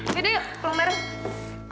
yaudah yuk pulang bareng